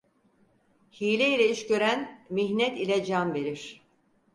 Hile ile iş gören mihnet ile can verir.